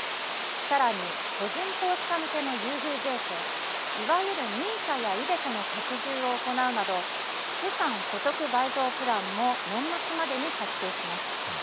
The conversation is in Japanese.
さらに個人投資家向けの優遇税制、いわゆるＮＩＳＡやｉＤｅＣｏの拡充を行うなど、資産所得倍増プランも年末までに策定します。